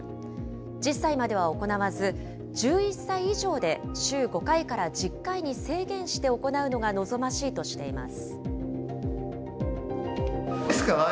１０歳までは行わず、１１歳以上で週５回から１０回に制限して行うのが望ましいとしています。